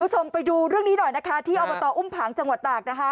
คุณผู้ชมไปดูเรื่องนี้หน่อยนะคะที่อบตอุ้มผางจังหวัดตากนะคะ